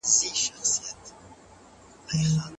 مالی مسایل د کورنۍ د ثبات لپاره د پلار فکر دي.